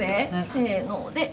せので。